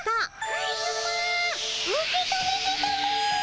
カズマ受け止めてたも。